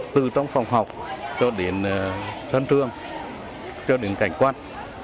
từ trong phòng học cho đến sân trường cho đến cảnh quan